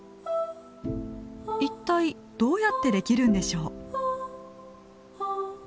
一体どうやってできるんでしょう？